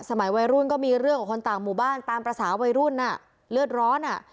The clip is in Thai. วัยรุ่นก็มีเรื่องกับคนต่างหมู่บ้านตามภาษาวัยรุ่นอ่ะเลือดร้อนอ่ะ